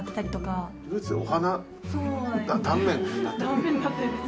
断面になってるんです。